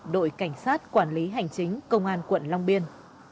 đội cảnh sát quản lý hành chính công an quận long biên